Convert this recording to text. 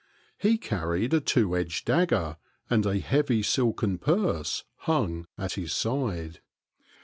He carried a two edged dagger, and a heavy silken purse hung at his side.